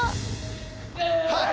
はい！